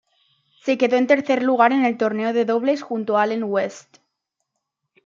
Se quedó en tercer lugar en el torneo de dobles junto a Allen West.